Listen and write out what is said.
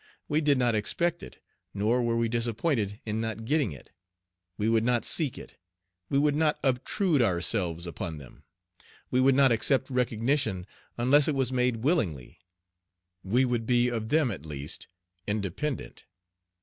We did not expect it, nor were we disappointed in not getting it. We would not seek it. We would not obtrude ourselves upon them. We would not accept recognition unless it was made willingly. We would be of them at least independent.